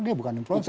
dia bukan influencer